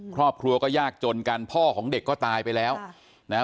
ครอบครัวก็ยากจนกันพ่อของเด็กก็ตายไปแล้วนะฮะ